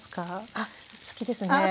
あっお好きですか？